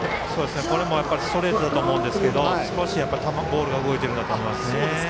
これも、やっぱりストレートだと思うんですけども少し、ボールが動いていると思いますね。